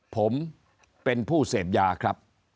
ผมเป็นผู้เสพยาครับ